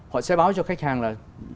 họ sẽ báo cho khách hàng là